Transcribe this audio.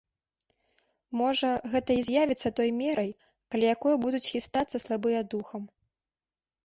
Можа, гэта і з'явіцца той мерай, каля якой будуць хістацца слабыя духам.